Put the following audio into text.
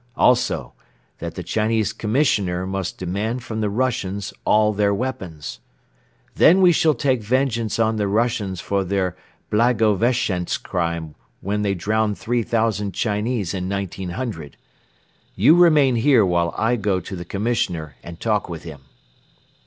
Also that the Chinese Commissioner must demand from the Russians all their weapons. 'Then we shall take vengeance on the Russians for their Blagoveschensk crime when they drowned three thousand Chinese in 1900. You remain here while I go to the Commissioner and talk with him.